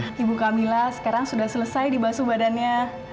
pak ibu kamila sekarang sudah selesai dibasu badannya